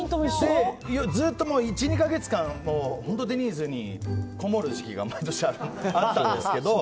ずっと１２か月間本当、デニーズにこもる時期が毎年あったんですけど。